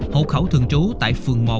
hộ khẩu thường trú tại phường một